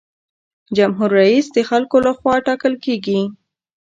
جمهور رئیس د خلکو له خوا ټاکل کیږي.